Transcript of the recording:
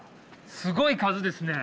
すごい数ですね！